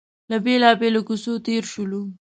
له بېلابېلو کوڅو تېر شولو.